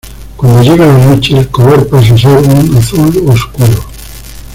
Cuando llega la noche el color pasa a ser un azul oscuro.